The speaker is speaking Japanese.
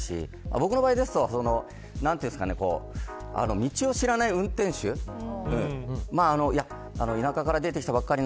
僕の場合ですと道を知らない運転手田舎から出てきたばっかり